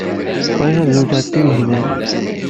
Bɣiɣ ad zewǧeɣ d Tunhinan.